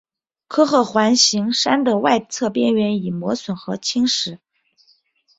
科赫环形山的外侧边缘已磨损和侵蚀。